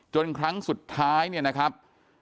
จนครั้งสุดท้ายนะครับ